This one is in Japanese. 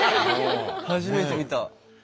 初めて見た。